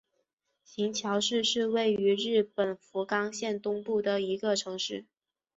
行桥市是位于日本福冈县东部的一个城市。